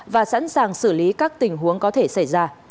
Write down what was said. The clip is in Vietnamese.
và sẵn sàng xử lý các tình huống có thể xảy ra